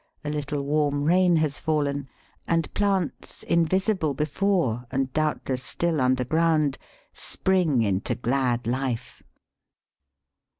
A little warm rain has fallen, and plants, invisible before, and doubtless still underground, spring into glad life.